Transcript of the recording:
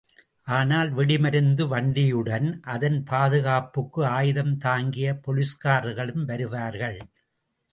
ஆனால் வெடிமருந்து வண்டியுடன் அதன் பாதுகாப்புக்கு ஆயுதம் தாங்கிய போலிஸ்காரர்களும் வருவார்கள்.